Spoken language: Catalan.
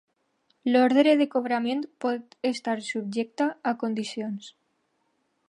L'ordre de cobrament pot estar subjecta a condicions.